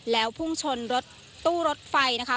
แล้วพุ่งชนรถตู้รถไฟนะคะ